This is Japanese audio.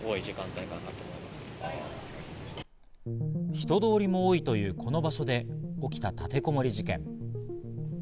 人通りも多いというこの場所で起きた立てこもり事件。